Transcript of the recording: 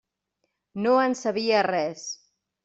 No en sabia res.